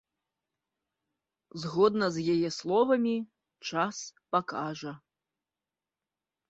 Згодна з яе словамі, час пакажа.